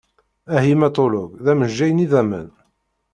Ahimatulog d amejjay n idammen.